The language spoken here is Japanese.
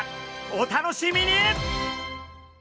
お楽しみに！